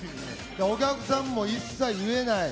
お客さんも一切言えない。